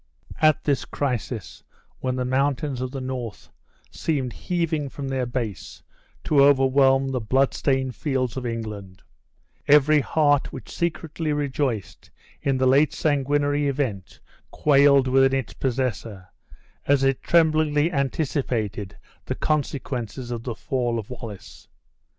At this crisis, when the mountains of the north seemed heaving from their base, to overwhelm the blood stained fields of England, every heart which secretly rejoiced in the late sanguinary event quailed within its possessor, as it tremblingly anticipated the consequences of the fall of Wallace.